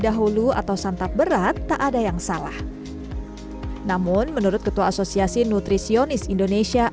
dahulu atau santap berat tak ada yang salah namun menurut ketua asosiasi nutrisionis indonesia